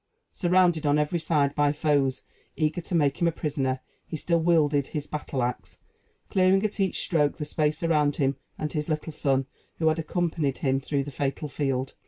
Surrounded on every side by foes eager to make him prisoner, he still wielded his battle axe, clearing at each stroke the space around him and his little son, who had accompanied him through the fatal field.